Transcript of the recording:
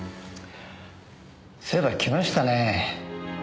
そういえば来ましたね。